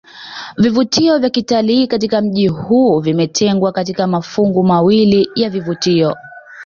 Vivutio vya kitalii katika mji huu vimetengwa katika mafungu mawili ya vivutio